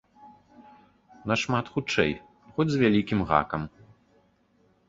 Нашмат хутчэй, хоць з вялікім гакам.